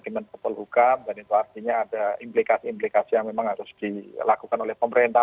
kemenkopol hukam dan itu artinya ada implikasi implikasi yang memang harus dilakukan oleh pemerintah